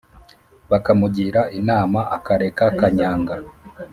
bakamugira inama akareka kanyanga.